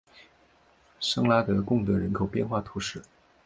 圣拉德贡德人口变化图示